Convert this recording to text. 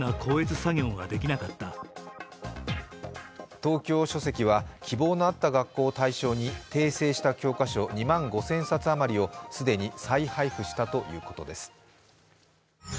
東京書籍は希望のあった学校を対象に、訂正した教科書２万５０００冊あまりを既に再配布したということです。